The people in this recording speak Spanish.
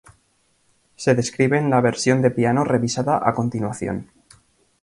Se describe en la versión de piano revisada a continuación.